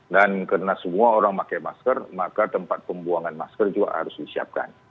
karena semua orang pakai masker maka tempat pembuangan masker juga harus disiapkan